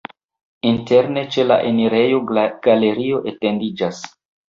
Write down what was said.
Interne ĉe la enirejo galerio etendiĝas.